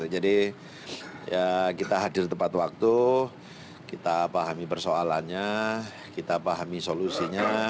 jadi ya kita hadir tepat waktu kita pahami persoalannya kita pahami solusinya